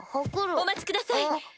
お待ちください！